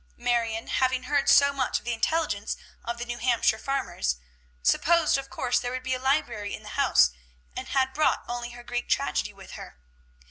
Marion, having heard so much of the intelligence of the New Hampshire farmers, supposed of course there would be a library in the house, and had brought only her Greek Tragedy with her.